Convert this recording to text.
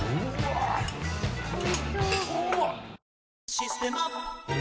「システマ」